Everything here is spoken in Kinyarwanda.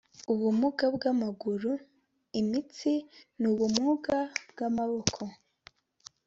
ubumuga bw amaguru imitsi n ubumuga bw amaboko